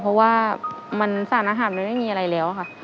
เพราะว่ามันสารอาหารมันไม่มีอะไรแล้วค่ะ